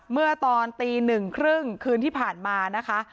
เมื่อตอนตีหนึ่งครึ่งคืนที่ผ่านมานะคะ